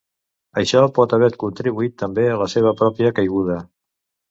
Això pot haver contribuït també a la seva pròpia caiguda.